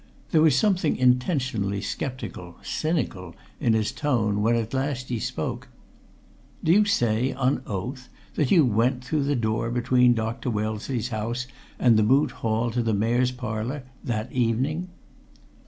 There was something intentionally sceptical, cynical, in his tone when, at last, he spoke: "Do you say on oath that you went, through the door between Dr. Wellesley's house and the Moot Hall, to the Mayor's Parlour that evening?"